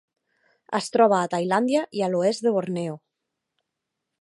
Es troba a Tailàndia i a l'oest de Borneo.